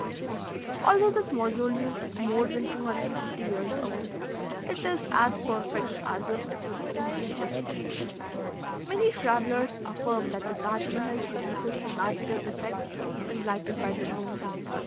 Although this mausoleum is more than 250 years old, it is as perfect as if it was only just finished. Many travellers affirm that the Taj Mehal produces a magical effect when lighted by the moon.